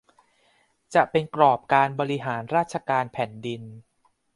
จะเป็นกรอบการบริหารราชการแผ่นดิน